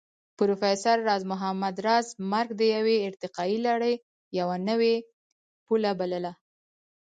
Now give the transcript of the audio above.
پروفېسر راز محمد راز مرګ د يوې ارتقائي لړۍ يوه نوې پله بلله